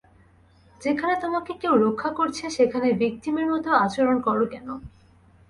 যেখানে তোমাকে কেউ রক্ষা করছে সেখানে ভিক্টিমের মতো আচরণ করো কেন?